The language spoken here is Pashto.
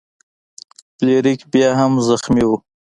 فلیریک بیا هم زخمی و.